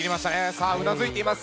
さあうなずいています。